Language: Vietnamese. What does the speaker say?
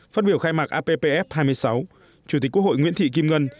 phát biểu khai mạc appf hai mươi sáu chủ tịch quốc hội nguyễn thị kim ngân